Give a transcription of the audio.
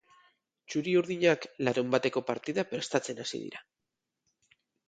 Txuri-urdinak larunbateko partida prestatzen hasi dira.